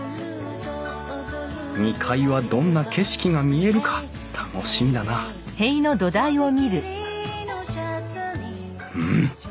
２階はどんな景色が見えるか楽しみだなうん？